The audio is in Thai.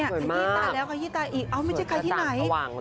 ก็คิดต่างแล้วก็คิดต่างอีกไม่ใช่ใครที่ไหน